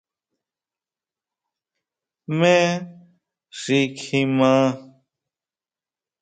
¿Jmé xi kjima?